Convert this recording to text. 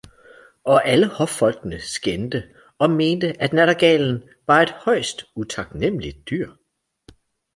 og alle hoffolkene skændte og mente, at nattergalen var et højst utaknemmeligt dyr.